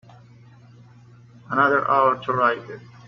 Another hour to write it.